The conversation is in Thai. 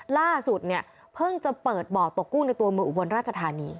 ล่าสุดเนี่ยเพิ่งจะเปิดบ่อตกกุ้งในตัวเมืองอุบลราชธานี